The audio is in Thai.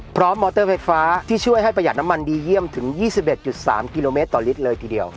มอเตอร์ไฟฟ้าที่ช่วยให้ประหยัดน้ำมันดีเยี่ยมถึง๒๑๓กิโลเมตรต่อลิตรเลยทีเดียว